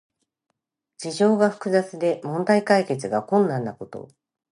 事情が複雑で問題解決が困難なこと。